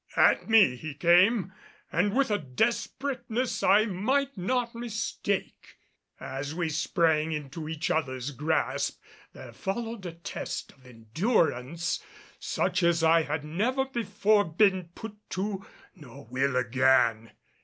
At me he came and with a desperateness I might not mistake. As we sprang into each other's grasp, there followed a test of endurance such as I had never before been put to nor will again.